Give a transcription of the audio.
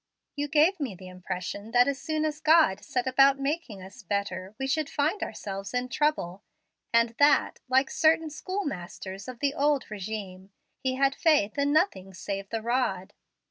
You gave me the impression that as soon as God set about making us better we should find ourselves in trouble, and that, like certain school masters of the old regime, He had faith in nothing save the rod.